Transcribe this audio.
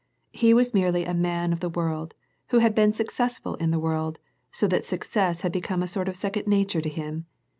He was merely a man of the world, who had been successful in the world, so that success had become a sort of second nature to him.